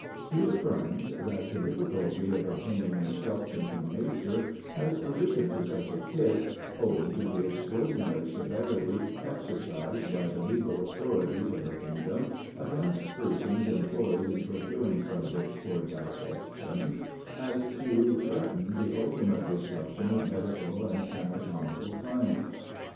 He affirms, that the difficulty of obtaining instruction from nature has risen to such a pitch, owing to the extraordinary severity exercised by the legal authorities of the kingdom against persons employed in procuring subjects for dissection, as to threaten the ultimate destruction of medical and anatomical science.